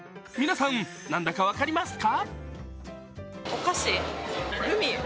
皆さん、何だか分かりますか？